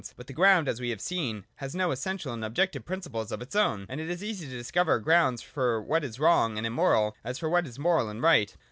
But the ground, as we have seen, has no essential and objective principles of its own, and it is as easy to discover grounds for what is wrong and immoral as for what is moral and right.